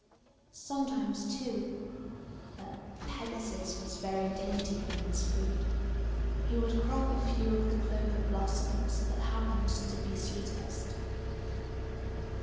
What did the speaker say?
Sometimes, too (but Pegasus was very dainty in his food), he would crop a few of the clover blossoms that happened to be sweetest.